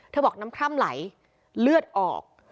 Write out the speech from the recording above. บอกน้ำคร่ำไหลเลือดออก